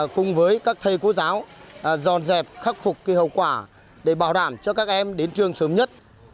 cùng với các thầy cô giáo dọn dẹp khắc phục hậu quả để bảo đảm cho các em đến trường sớm nhất